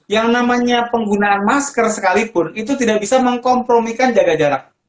yang namanya penggunaan masker sekalipun itu tidak bisa mengkompromikan jaga jarak